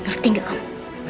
ngerti gak kamu